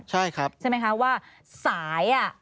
ใช่ไหมคะว่าสาย